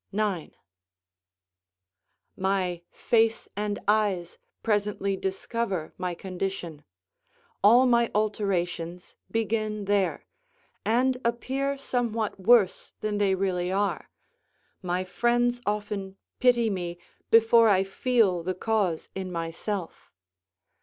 ] My face and eyes presently discover my condition; all my alterations begin there, and appear somewhat worse than they really are; my friends often pity me before I feel the cause in myself.